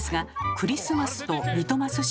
「クリスマス」「リトマス紙」。